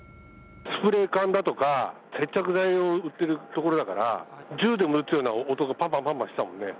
スプレー缶だとか、接着剤を売ってる所だから、銃でも撃つような音がぱんぱんぱんぱんしたもんね。